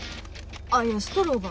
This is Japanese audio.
あっいやストローが。